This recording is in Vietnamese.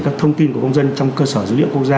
các thông tin của công dân trong cơ sở dữ liệu quốc gia